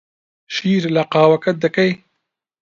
شیر لە قاوەکەت دەکەیت؟